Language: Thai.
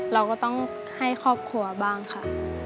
เราก็ต้องให้ครอบครัวบ้างค่ะ